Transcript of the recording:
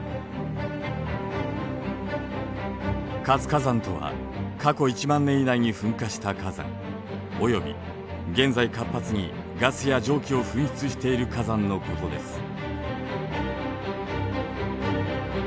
活火山とは過去１万年以内に噴火した火山および現在活発にガスや蒸気を噴出している火山のことです。